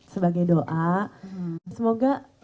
sebagai doa semoga